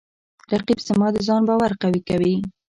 رقیب زما د ځان باور قوی کوي